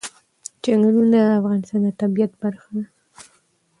چنګلونه د افغانستان د طبیعت برخه ده.